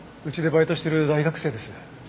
うちでバイトしてる大学生です。